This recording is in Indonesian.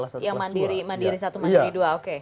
yang mandiri mandiri satu mandiri dua oke